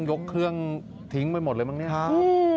ยกเครื่องทิ้งไปหมดเลยมั้งเนี่ยครับ